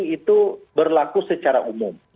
itu berlaku secara umum